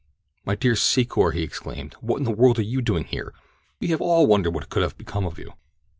"My dear Secor," he exclaimed, "what in the world are you doing here? We have all wondered what could have become of you."